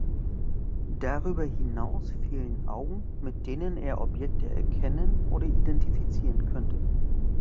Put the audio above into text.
Darüber hinaus fehlen Augen, mit denen er Objekte erkennen oder identifizieren könnte.